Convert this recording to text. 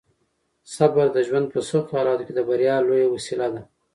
صبر د ژوند په سختو حالاتو کې د بریا لویه وسیله ده.